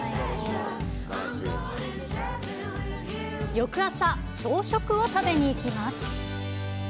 翌朝、朝食を食べに行きます。